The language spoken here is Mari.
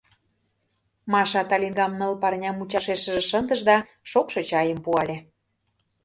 Маша талиҥгам ныл парня мучашешыже шындыш да шокшо чайым пуале.